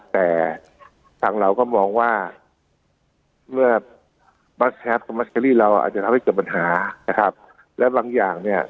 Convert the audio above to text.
แต่ทางเราก็มองว่าเมื่อยัดลองจุดมันอย่างเนี้ย